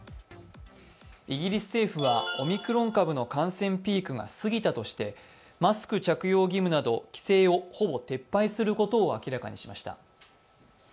イギリス政府はオミクロン株の感染ピークが過ぎたとしてマスク着用義務など規制をほぼ撤廃することを明らかにしました。